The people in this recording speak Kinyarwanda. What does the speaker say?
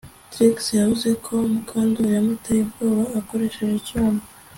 Trix yavuze ko Mukandoli yamuteye ubwoba akoresheje icyuma